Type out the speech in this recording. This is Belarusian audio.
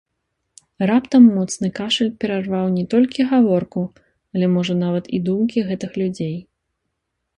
Раптам моцны кашаль перарваў не толькі гаворку, але можа нават і думкі гэтых людзей.